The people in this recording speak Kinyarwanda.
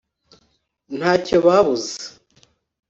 Nta cyabo babuze.